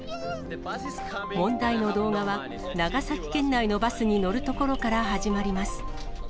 問題の動画は、長崎県内のバスに乗るところから始まります。